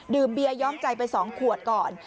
ดื่มเบียร์ย้อมใจไปสองขวดก่อน